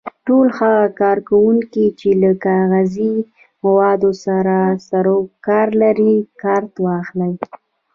ټول هغه کارکوونکي چې له غذایي موادو سره سرو کار لري کارت واخلي.